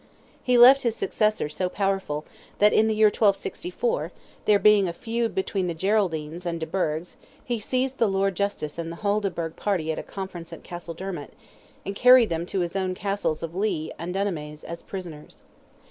He left his successor so powerful, that in the year 1264, there being a feud between the Geraldines and de Burghs, he seized the Lord Justice and the whole de Burgh party at a conference at Castledermot, and carried them to his own castles of Lea and Dunamase as prisoners.